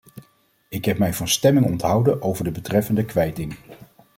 Ik heb mij van stemming onthouden over de betreffende kwijting.